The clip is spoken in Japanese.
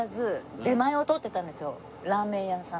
ラーメン屋さん。